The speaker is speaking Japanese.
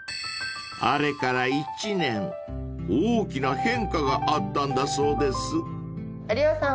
［あれから１年大きな変化があったんだそうです］